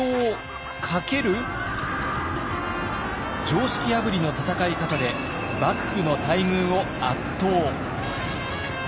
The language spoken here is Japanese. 常識破りの戦い方で幕府の大軍を圧倒。